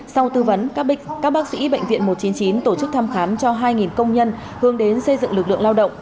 sau tư vấn các bác sĩ bệnh viện một trăm chín mươi chín tổ chức thăm khám cho hai công nhân hướng đến xây dựng lực lượng lao động